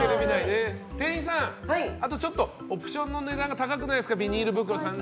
店員さん、ちょっとオプションの値段が高くないですか？